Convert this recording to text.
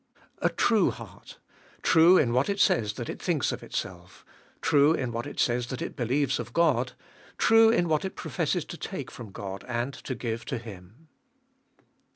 2. A true heart— true in what it says that It thinks of itself; true in what it says that it believes of Qod; true in what it professes to take from Qod and to glue to Him.